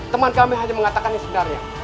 teman kami hanya mengatakannya sebenarnya